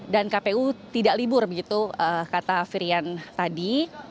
dan kpu tidak libur begitu kata firian tadi